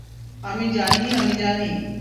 আমি জানি, আমি জানি!